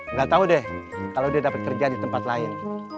nggak tahu deh kalau dia dapat kerja di tempat lain